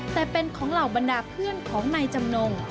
แต่เป็นของเหล่าบรรดาเพื่อนของนายจำนง